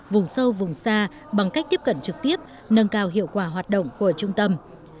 vùng sâu vùng xa bằng cách tiếp cận trực tiếp nâng cao hiệu quả hoạt động của trung tâm